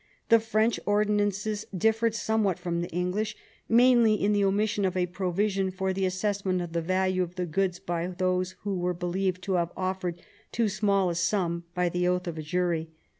The French ordinance differed somewhat from the English — mainly in the omission of a provision for the assessment of the value of the goods of those who were believed to have offered too small a sum, by the oath of a jury.